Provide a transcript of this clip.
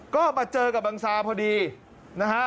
ก็มาเจอกับบังซาพอดีนะฮะ